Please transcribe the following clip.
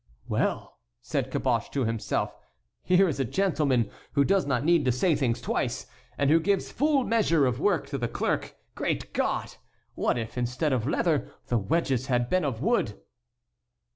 "Well!" said Caboche to himself, "here is a gentleman who does not need to say things twice, and who gives full measure of work to the clerk. Great God! what if, instead of leather, the wedges had been of wood!"